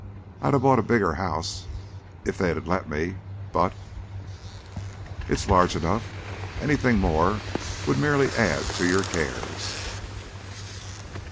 I'd of bought a bigger house if they'd of let me, but " "It is large enough. Anything more would merely add to your cares."